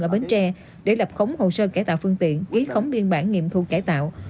ở bến tre để lập khống hồ sơ cải tạo phương tiện ký khống biên bản nghiệm thu cải tạo